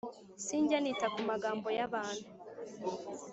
Sinjya nita kumagambo y’abantu